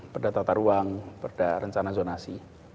perdah tata ruang perdah rencana zonasi